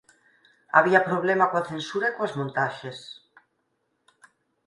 Había problema coa censura e coas montaxes.